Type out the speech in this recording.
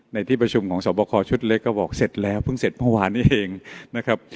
ในที่ประชุมของสวบคอชุดเล็กก็บอกเสร็จแล้วเพิ่งเสร็จเมื่อวานนี้เองนะครับ